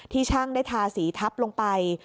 ช่างได้ทาสีทับลงไป